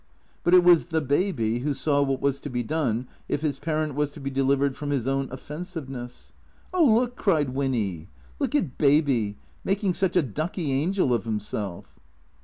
But it was the Baby who saw what was to be done if his parent was to be delivered from his own offensiveness. " Oh, look !" cried Winny. " Look at Baby. Making such a ducky angel of himself."